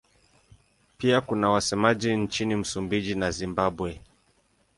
Pia kuna wasemaji nchini Msumbiji na Zimbabwe.